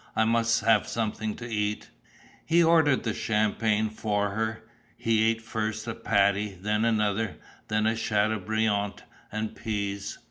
I must have something to eat." He ordered the champagne for her. He ate first a patty, then another, then a châteaubriant and peas.